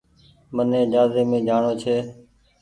مني جهآزي مي جآڻو ڇي۔